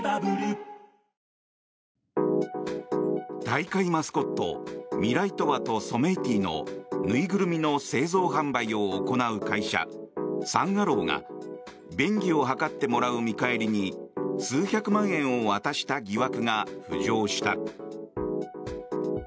大会マスコットミライトワとソメイティの縫いぐるみの製造・販売を行う会社サン・アローが便宜を図ってもらう見返りに数百万円を渡した疑惑が浮上した。